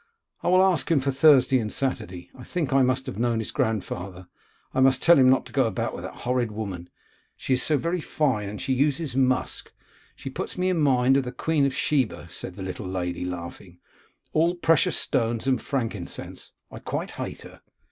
'I will ask him for Thursday and Saturday. I think I must have known his grandfather. I must tell him not to go about with that horrid woman. She is so very fine, and she uses musk; she puts me in mind of the Queen of Sheba,' said the little lady, laughing, 'all precious stones and frankincense. I quite hate her.